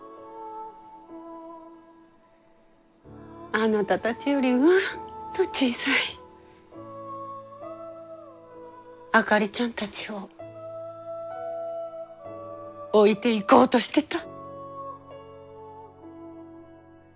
あなたたちよりうんと小さいあかりちゃんたちを置いていこうとしてた。